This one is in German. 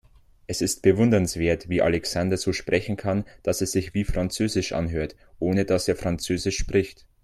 Es ist bewundernswert, wie Alexander so sprechen kann, dass es sich wie französisch anhört, ohne dass er französisch spricht.